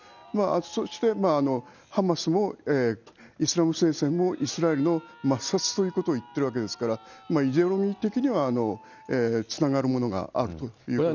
そしてハマスもイスラム聖戦も、イスラエルの抹殺ということを言ってるわけですから、イデオロギー的にはつながるものがあるということです。